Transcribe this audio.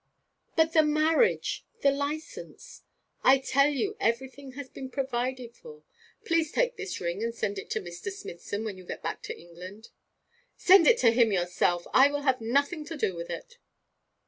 'But the marriage the licence?' 'I tell you everything has been provided for. Please take this ring and send it to Mr. Smithson when you go back to England.' 'Send it to him yourself. I will have nothing to do with it.'